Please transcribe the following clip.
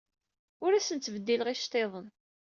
Ur asen-ttbeddileɣ iceḍḍiḍen.